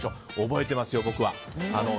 覚えてますよ、僕は。